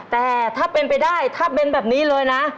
แต่ถ้าเป็นไปได้ถ้าเป็นแบบนี้เลยนะ